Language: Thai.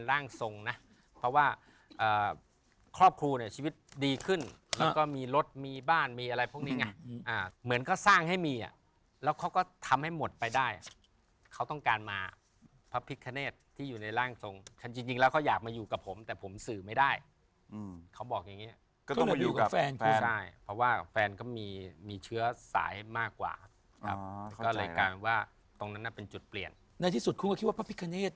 ร่างทรงนะเพราะว่าครอบครัวเนี่ยชีวิตดีขึ้นแล้วก็มีรถมีบ้านมีอะไรพวกนี้ไงเหมือนก็สร้างให้มีอ่ะแล้วเขาก็ทำให้หมดไปได้เขาต้องการมาพระพิคเนตที่อยู่ในร่างทรงฉันจริงแล้วเขาอยากมาอยู่กับผมแต่ผมสื่อไม่ได้เขาบอกอย่างเงี้ยก็ต้องมาอยู่กับแฟนเขาใช่เพราะว่าแฟนก็มีมีเชื้อสายมากกว่าครับก็เลยกลายเป็นว่าตรงนั้นน่ะเป็นจุดเปลี่ยนในที่สุดคุณก็คิดว่าพระพิคเนต